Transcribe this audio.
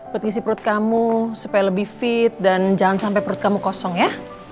pet ngisi perut kamu supaya lebih fit dan jangan sampai perut kamu kosong ya